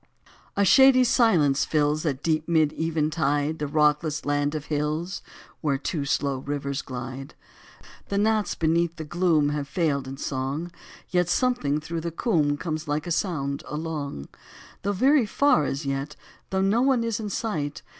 A SHADY silence fills, At deep mid eventide, The rockless land of hills Where two slow rivers glide. The gnats beneath the gloom Have failed in song, Yet something through the combe Comes like a sound along. Though very far as yet, Though no one is in sight.